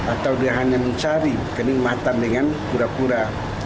atau dia hanya mencari kelimatan dengan pura pura